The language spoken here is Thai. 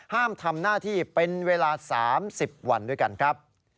ทำหน้าที่เป็นเวลา๓๐วันด้วยกันครับ